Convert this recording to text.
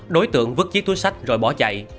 đối tượng vứt chiếc túi sách rồi bỏ chạy